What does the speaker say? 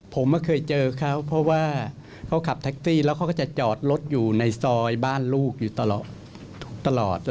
ผมเคยเจอเขาเพราะว่าเขาขับแท็กซี่แล้วเขาก็จะจอดรถอยู่ในซอยบ้านลูกอยู่ตลอด